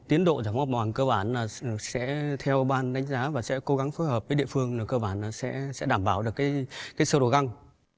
tiến độ giảm ngọt bằng cơ bản sẽ theo ban đánh giá và sẽ cố gắng phối hợp với địa phương cơ bản sẽ đảm bảo được sơ đồ găng